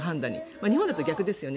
日本だと逆ですよね。